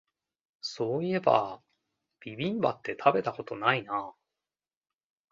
そういえばビビンバって食べたことないな